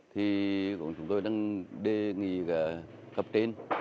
thì chúng tôi đang đề nghị cập tên